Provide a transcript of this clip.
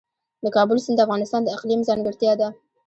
د کابل سیند د افغانستان د اقلیم ځانګړتیا ده.